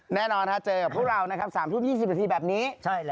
แน่นอนหาเจอกับพวกเรานะ๓ทุ่ม๒๐ประทีแบบนี้